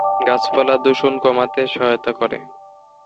গাছপালা বায়ু দূষণ কমাতে সহায়তা করে।